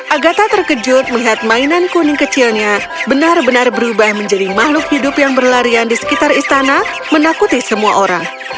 agatha terkejut melihat mainan kuning kecilnya benar benar berubah menjadi makhluk hidup yang berlarian di sekitar istana menakuti semua orang